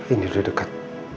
ini udah dekat